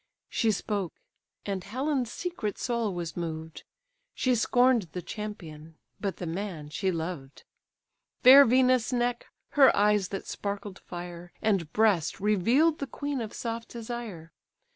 She spoke, and Helen's secret soul was moved; She scorn'd the champion, but the man she loved. Fair Venus' neck, her eyes that sparkled fire, And breast, reveal'd the queen of soft desire.